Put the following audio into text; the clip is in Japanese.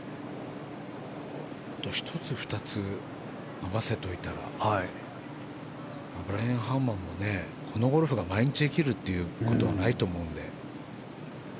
１つ、２つ、伸ばせといたらブライアン・ハーマンもこのゴルフが毎日できるということはないと思うので。